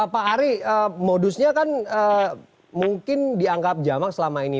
pak ari modusnya kan mungkin dianggap jamak selama ini